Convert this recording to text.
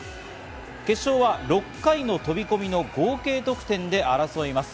決勝は６回の飛び込みの合計得点で争います。